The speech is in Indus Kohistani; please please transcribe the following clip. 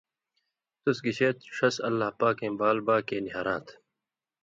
تُس گِشے ݜس(اللہ پاکَیں) بال باکے نی ہراں تھہ،